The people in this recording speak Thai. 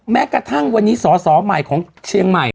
แม้กระทั่งวันนี้สอสอใหม่ของเชียงใหม่